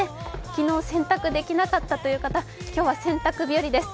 昨日、選択できなかったという方、今日は洗濯日和です。